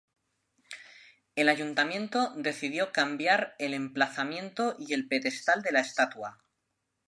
El Ayuntamiento decidió cambiar el emplazamiento y el pedestal de la estatua.